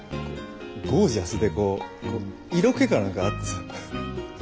ゴージャスでこう色気かなんかあってさ。